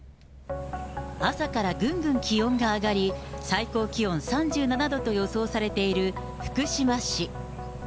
朝からぐんぐん気温が上がり、最高気温３７度と予想されている福島市。